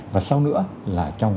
và sau nữa là trong